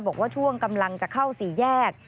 บอกว่าช่วงกำลังจะเข้าสี่แยก